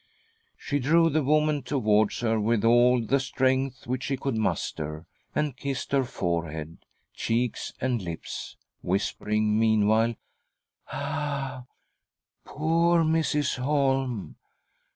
She drew the woman towards her with all the strength which she could muster, and kissed her forehead, cheeks, and lips, whispering meanwhile :" Ah, poor Mrs. Holm !